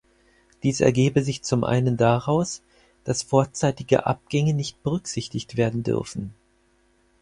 Dies ergebe sich zum einen daraus, dass vorzeitige Abgänge nicht berücksichtigt werden dürfen.